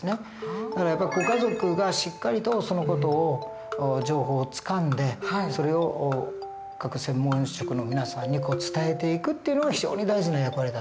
だからやっぱりご家族がしっかりとその事を情報をつかんでそれを各専門職の皆さんに伝えていくっていうのが非常に大事な役割だと思うんです。